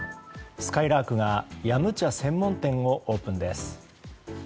すかいらーくが飲茶専門店をオープンです。